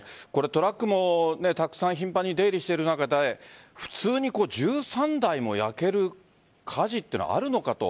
トラックもたくさん頻繁に出入りしている中で普通に１３台も焼ける火事っていうのはあるのかと。